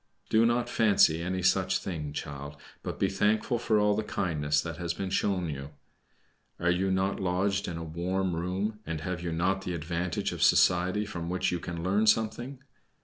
Do not fancy any such thing, child; but be thankful for all the kindness that has been shown you. Are you not lodged in a warm room, and have you not the advantage of society from which you can learn something?